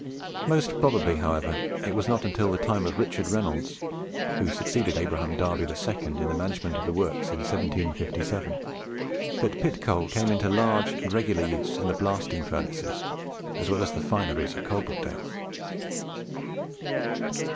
Most probably, however, it was not until the time of Richard Reynolds, who succeeded Abraham Darby the second in the management of the works in 1757, that pit coal came into large and regular use in the blasting furnaces as well as the fineries of Coalbrookdale.